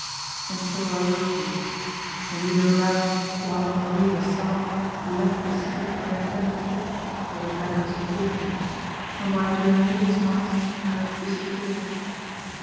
And so I wrote you; and you know now why Marie LaSalle 'left the city for an extended trip,' as her bankers informed you, and why during all these months I have 'disappeared.'